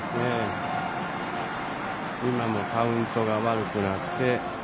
今のもカウントが悪くなって。